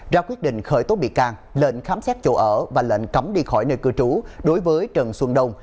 ra quyết định khởi tố bị can lệnh khám xét chỗ ở và lệnh cấm đi khỏi nơi cư trú đối với trần xuân đông